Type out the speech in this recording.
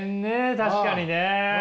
確かにね。